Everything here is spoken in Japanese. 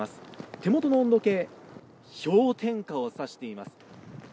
手元の温度計、氷点下を差しています。